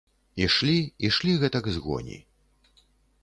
Ішлі, ішлі гэтак з гоні.